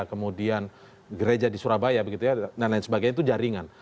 kemudian gereja di surabaya dan lain sebagainya itu jaringan